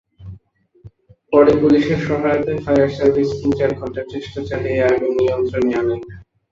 পরে পুলিশের সহায়তায় ফায়ার সার্ভিস তিন-চার ঘণ্টা চেষ্টা চালিয়ে আগুন নিয়ন্ত্রণে আনে।